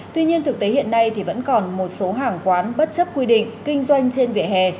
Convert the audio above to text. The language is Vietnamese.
tuy nhiên thực tế hiện nay thì vẫn còn một số hàng quán bất chấp quy định kinh doanh trên vỉa hè